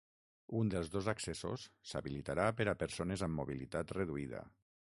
Un dels dos accessos s’habilitarà per a persones amb mobilitat reduïda.